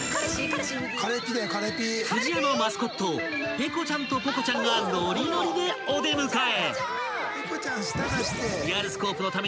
［不二家のマスコットペコちゃんとポコちゃんがノリノリでお出迎え］